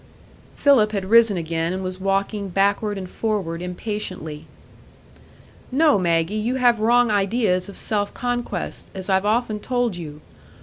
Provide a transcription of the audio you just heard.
Philip had risen again, and was walking backward and forward impatiently. "No, Maggie, you have wrong ideas of self conquest, as I've often told you.